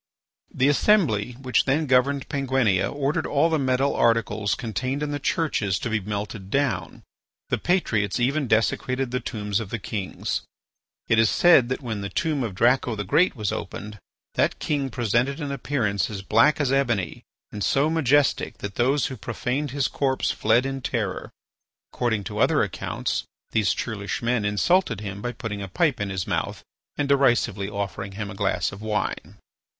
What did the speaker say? The assembly which then governed Penguinia ordered all the metal articles contained in the churches to be melted down. The patriots even desecrated the tombs of the kings. It is said that when the tomb of Draco the Great was opened, that king presented an appearance as black as ebony and so majestic that those who profaned his corpse fled in terror. According to other accounts, these churlish men insulted him by putting a pipe in his mouth and derisively offering him a glass of wine.